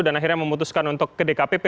dan akhirnya memutuskan untuk ke dkpp